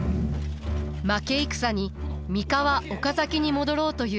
負け戦に三河岡崎に戻ろうという家臣たち。